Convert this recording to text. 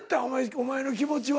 お前の気持ちは。